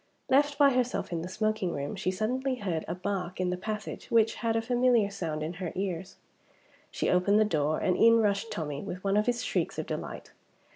Left by herself in the smoking room, she suddenly heard a bark in the passage which had a familiar sound in her ears. She opened the door and in rushed Tommie, with one of his shrieks of delight!